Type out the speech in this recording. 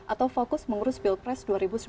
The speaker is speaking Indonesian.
atau fokus mengurus pilpres dua ribu sembilan belas